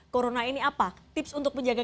corona ini apa tips untuk menjaga